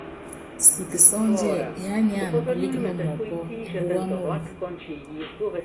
Siki sɔ́ndiɛ, yiá nyána ɔlíki nɔ yɔpɔ́, mbúwa moombo.